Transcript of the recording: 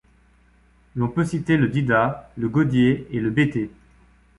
L'on peut citer le Dida, le Godié et le Bété.